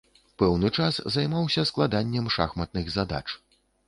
Пэўны час займаўся складаннем шахматных задач.